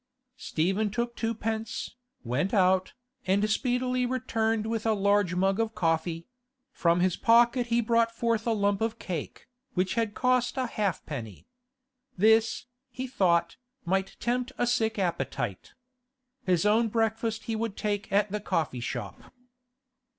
Stephen took twopence, went out, and speedily returned with a large mug of coffee; from his pocket he brought forth a lump of cake, which had cost a halfpenny. This, he thought, might tempt a sick appetite. His own breakfast he would take at the coffee shop.